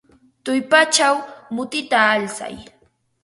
Tullpachaw mutita alsay.